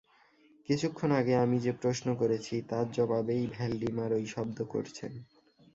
কিছুক্ষণ আগে আমি যে প্রশ্ন করেছি, তার জবাবেই ভ্যালডিমার ওই শব্দ করছেন।